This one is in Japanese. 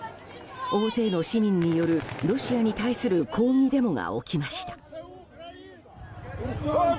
大勢の市民によるロシアに対する抗議デモが起きました。